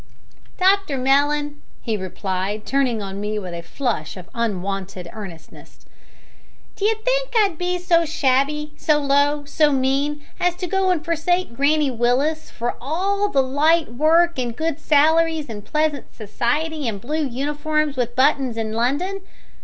"Dr Mellon," he replied, turning on me with a flush of unwonted earnestness, "d'you think I'd be so shabby, so low, so mean, as to go an' forsake Granny Willis for all the light work an' good salaries and pleasant society an' blue uniforms with buttons in London?